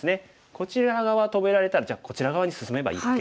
こちら側止められたらじゃあこちら側に進めばいいだけです。